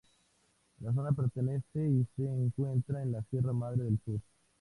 La zona pertenece y se encuentra en la Sierra Madre del Sur.